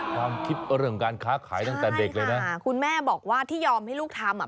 ความคิดเรื่องการค้าขายตั้งแต่เด็กเลยนะค่ะคุณแม่บอกว่าที่ยอมให้ลูกทำอ่ะ